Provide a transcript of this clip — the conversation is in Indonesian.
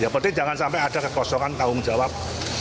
berarti jangan sampai ada kekosongan tanggung jawab